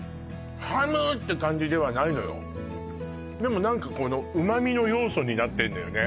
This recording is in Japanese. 「ハム！」って感じではないのよでも何かこの旨みの要素になってんのよね